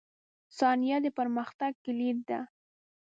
• ثانیه د پرمختګ کلید ده.